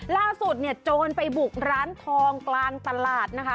ล่าสุดเนี่ยโจรไปบุกร้านทองกลางตลาดนะคะ